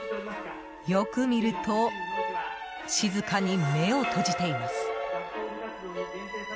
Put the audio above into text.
よく見ると静かに目を閉じています。